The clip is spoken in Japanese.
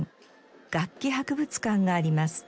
楽器博物館があります。